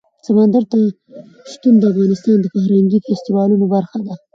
سمندر نه شتون د افغانستان د فرهنګي فستیوالونو برخه ده.